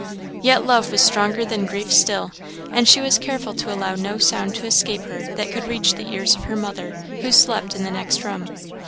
Yet love was stronger than grief still, and she was careful to allow no sound to escape her that could reach the ears of her mother, who slept in the next room.